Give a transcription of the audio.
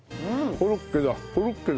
コロッケだな。